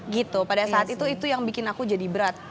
gitu pada saat itu itu yang bikin aku jadi berat